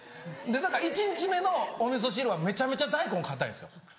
だから１日目のお味噌汁はめちゃめちゃ大根硬いんですよ。